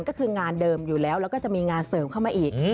ก็คืองานเดิมอยู่แล้วแล้วก็จะมีงานเสริมเข้ามาอีก